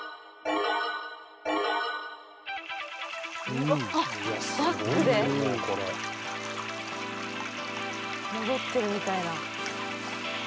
うわっあっバックで戻ってるみたいな。